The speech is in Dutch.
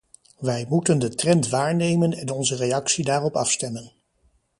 Wij moeten de trend waarnemen en onze reactie daarop afstemmen.